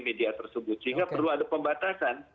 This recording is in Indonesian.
media tersebut sehingga perlu ada pembatasan